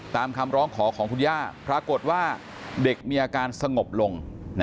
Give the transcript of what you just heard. ตามคำร้องขอของคุณย่าปรากฏว่าเด็กมีอาการสงบลง